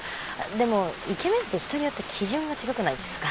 でもイケメンって人によって基準が違くないですか？